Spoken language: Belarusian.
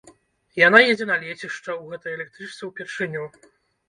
Яна едзе на лецішча, у гэтай электрычцы ўпершыню.